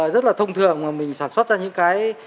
rất là thông thường mà mình sản xuất ra những cái